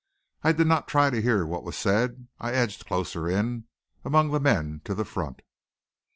I did not try to hear what was said. I edged closer in, among the men to the front.